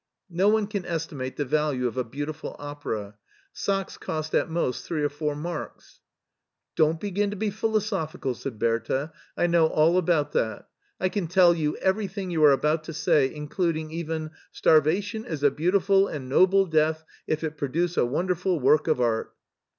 No one can estimate the value of a beau tiful opera; socks cost at most three or four marks." " Don't begin to be philosophical," said Bertha ;" I know all about that. I can tell you everything you are about to say, including even * starvation is a beautiful and noble death if it produce a wonderful work of art.